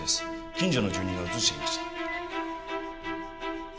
近所の住人が映していました。